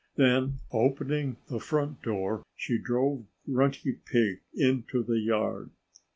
Then, opening the front door, she drove Grunty Pig into the yard.